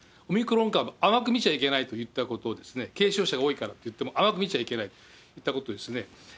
オミクロン株、甘く見ちゃいけないといったことを、軽症者が多いからといっても、甘く見ちゃいけないということなんですね。